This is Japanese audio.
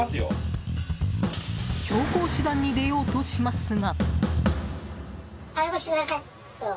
強硬手段に出ようとしますが。